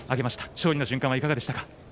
勝利の瞬間はいかがでしたか。